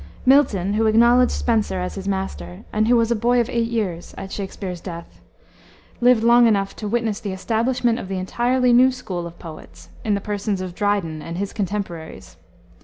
Milton, who acknowledged Spenser as his master, and who was a boy of eight years at Shakspere's death, lived long enough to witness the establishment of an entirely new school of poets, in the persons of Dryden and his contemporaries.